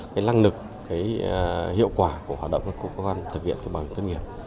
và lăng lực hiệu quả của hoạt động của các cơ quan thực hiện bảo hiểm thất nghiệp